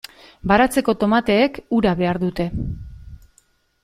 Baratzeko tomateek ura behar dute.